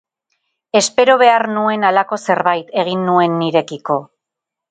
Espero behar nuen halako zerbait, egin nuen nirekiko.